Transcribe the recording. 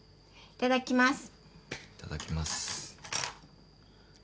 いただきます。